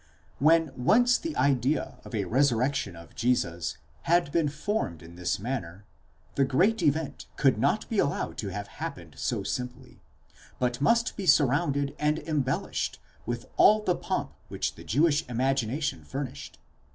*8 When once the idea of a resurrection of Jesus had been formed in this manner, the great event could not be allowed to have happened so simply, but must be surrounded and embellished with all the pomp which the Jewish imagination furnished.